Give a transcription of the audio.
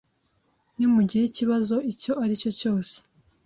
Nimugira ikibazo icyo ari cyo cyose,